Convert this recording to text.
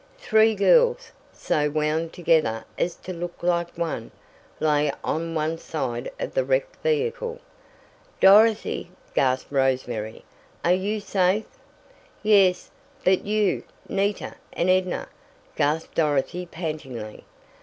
Three girls, so wound together as to look like one, lay on one side of the wrecked vehicle. "Dorothy!" gasped Rose Mary. "Are you safe!" "Yes, but you Nita and Edna?" gasped Dorothy, pantingly.